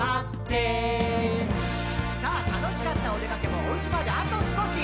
「さぁ楽しかったおでかけもお家まであと少し」